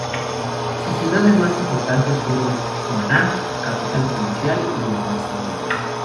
Sus ciudades más importantes fueron Cumaná, capital provincial, y Nueva Barcelona.